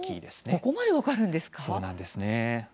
ここまで分かるんですか。